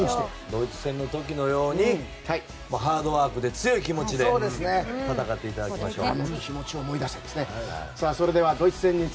ドイツ戦の時のようにハードワークで強い気持ちで戦っていただきましょう。